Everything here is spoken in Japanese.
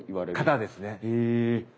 形ですね。